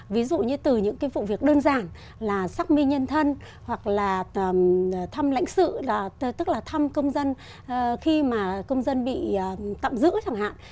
ví dụ như từ những cái vụ việc đơn giản là xác minh nhân thân hoặc là thăm lãnh sự tức là thăm công dân khi mà công dân bị tạm giữ chẳng hạn